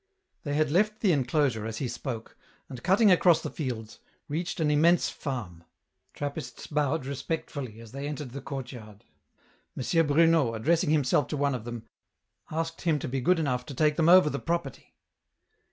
They had left the enclosure as he spoke, and cutting across the fields, reached an immense farm. Trappists bowed respectfully as they entered the court yard. M. Bruno, addressing himself to one of them, asked him to be good enough to take them over the property.